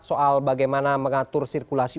soal bagaimana mengatur sirkulasi